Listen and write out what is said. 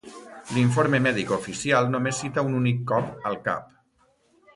L'informe mèdic oficial només cita un únic cop al cap.